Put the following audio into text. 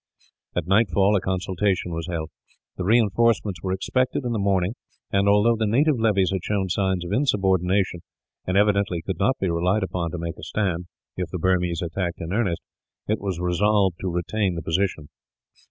At nightfall, a consultation was held. The reinforcements were expected in the morning and, although the native levies had shown signs of insubordination, and evidently could not be relied upon to make a stand, if the Burmese attacked in earnest, it was resolved to retain the position.